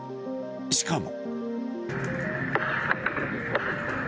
しかも。